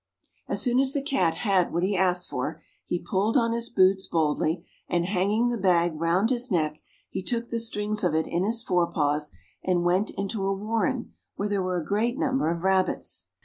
As soon as the Cat had what he asked for, he pulled on his boots boldly, and hanging the bag round his neck, he took the strings of it in his fore paws, and went into a warren where there were a great number of rabbits.